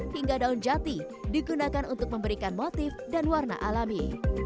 hingga daun jati digunakan untuk memberikan motif dan warna alami